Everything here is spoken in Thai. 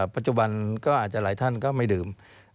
ปัจจุบันหลายท่านก็ไม่ดื่ม